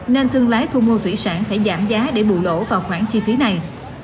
nên thương lái thu mua thủy sản phải giảm giá để bù lỗ vào khoản chi phí này